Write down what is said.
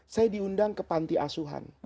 saya diundang ke panti asuhan